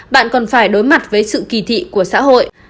bạn còn phải đối mặt với sự kỳ thị của xã hội